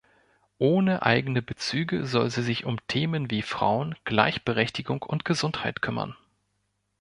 Ohne eigene Bezüge soll sie sich um Themen wie Frauen, Gleichberechtigung und Gesundheit kümmern.